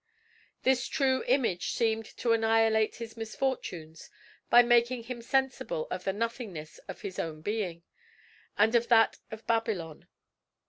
This true image seemed to annihilate his misfortunes, by making him sensible of the nothingness of his own being, and of that of Babylon.